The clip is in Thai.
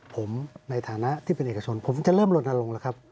ผมในฐานะที่เป็นเอกชนผมจะเริ่มลนลงแล้วครับ